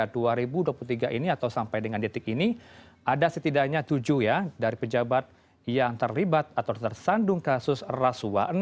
pada tahun dua ribu dua puluh tiga ini atau sampai dengan detik ini ada setidaknya tujuh ya dari pejabat yang terlibat atau tersandung kasus rasuah